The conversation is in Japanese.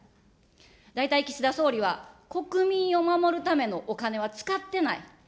大体、岸田総理は国民を守るためのお金は使ってない。